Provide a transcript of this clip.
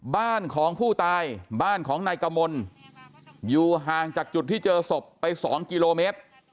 บ้านของผู้ตายบ้านของนายกมลอยู่ห่างจากจุดที่เจอศพไป๒กิโลเมตร